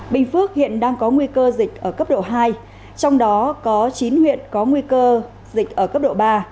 bình phước hiện đang có nguy cơ dịch ở cấp độ hai trong đó có chín huyện có nguy cơ dịch ở cấp độ ba